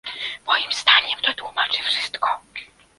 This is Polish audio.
Moim zdaniem to tłumaczy wszystko